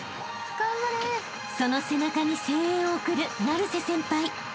［その背中に声援を送る成瀬先輩］